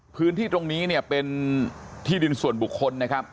พื้นที่ตรงนี้เป็นที่ดินส่วนบุคคล